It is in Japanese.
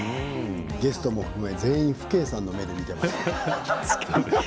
ゲストも含め全員父兄さんの目で見ていました。